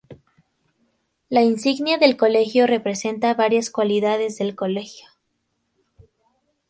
La insignia del colegio representa varias cualidades del colegio.